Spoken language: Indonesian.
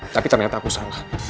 tapi ternyata aku salah